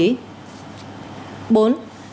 bốn đồng chí bùi thị lệ phi